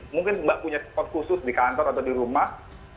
mungkin mbak punya spot khusus di kantor atau di rumah